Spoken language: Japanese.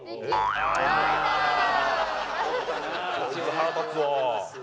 腹立つわ。